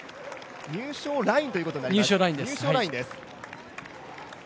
入賞ラインということになります。